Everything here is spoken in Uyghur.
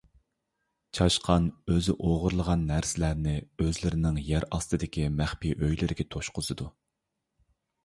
چاشقان ئۆزى ئوغرىلىغان نەرسىلەرنى ئۆزلىرىنىڭ يەر ئاستىدىكى مەخپىي ئۆيلىرىگە توشقۇزىدۇ.